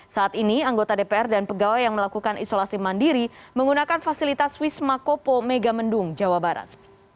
saat ini anggota dpr dan pegawai yang melakukan isolasi mandiri menggunakan fasilitas wisma kopo megamendung jawa barat